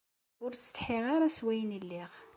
Ur ttsetḥiɣ ara s wayen ay lliɣ.